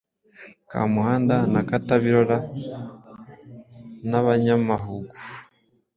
Kamuhanda na Katabirora na banyamahugu